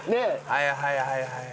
はいはいはいはい。